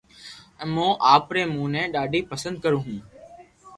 امو آپري مان ني ڌاڌي پسند ڪرو ھون